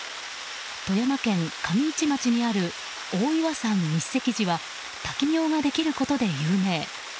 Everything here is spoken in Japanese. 富山県上市町にある大岩山日石寺は滝行ができることで有名。